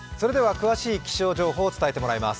詳しい気象情報を伝えてもらいます。